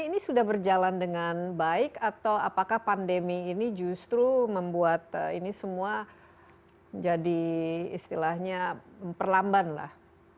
ini sudah berjalan dengan baik atau apakah pandemi ini justru membuat ini semua jadi istilahnya memperlambat lah